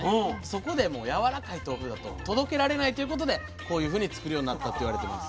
そこでやわらかい豆腐だと届けられないということでこういうふうに作るようになったって言われてます。